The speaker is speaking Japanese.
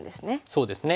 そうですね。